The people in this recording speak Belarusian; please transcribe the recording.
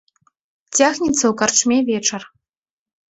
Цягнецца ў карчме вечар.